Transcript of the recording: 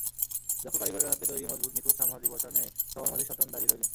দক্ষ কারিগরের হাতে তৈরী মজবুত নিখুঁত সামহারী বর্শার ন্যায় সবার মাঝে সটান দাঁড়িয়ে রইলেন।